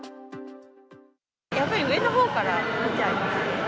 やっぱり上のほうから見ちゃいますね。